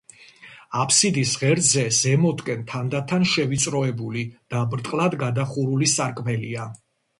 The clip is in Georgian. აბსიდის ღერძზე ზემოთკენ თანდათან შევიწროებული და ბრტყლად გადახურული სარკმელია.